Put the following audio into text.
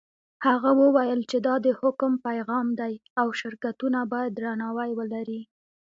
هغه وویل چې دا د حکم پیغام دی او شرکتونه باید درناوی ولري.